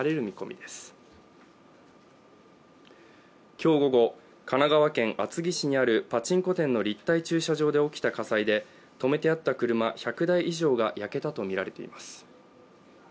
今日午後、神奈川県厚木市にあるパチンコ店の立体駐車場で起きた火災でとめてあった車１００台以上が焼けたとみられています。